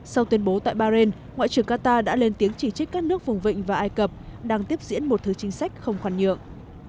sau tuyên bố tại bahen ngoại trưởng qatar đã lên tiếng chỉ trích các nước vùng vịnh và ai cập đang tiếp diễn một thứ chính sách không khoan nhượng